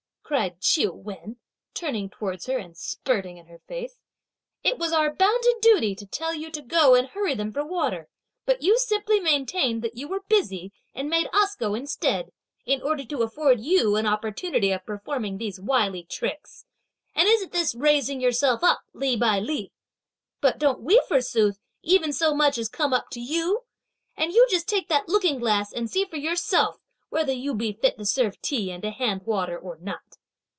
cried Ch'iu Wen, turning towards her and spurting in her face. "It was our bounden duty to tell you to go and hurry them for the water, but you simply maintained that you were busy and made us go instead, in order to afford you an opportunity of performing these wily tricks! and isn't this raising yourself up li by li? But don't we forsooth, even so much as come up to you? and you just take that looking glass and see for yourself, whether you be fit to serve tea and to hand water or not?"